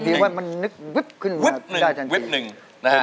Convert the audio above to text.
ดีว่ามันนึกวิบเข้ามาได้จังที